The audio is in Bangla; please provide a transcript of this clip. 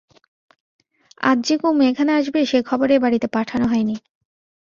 আজ যে কুমু এখানে আসবে সে খবর এ বাড়িতে পাঠানো হয় নি।